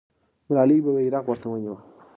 ملالۍ به بیرغ ورته نیوه.